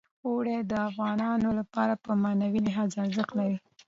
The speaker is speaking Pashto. اوړي د افغانانو لپاره په معنوي لحاظ ارزښت لري.